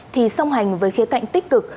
thì song hành với khía cạnh tích cực